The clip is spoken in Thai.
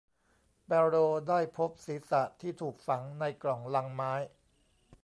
แปโรได้พบศีรษะที่ถูกฝังในกล่องลังไม้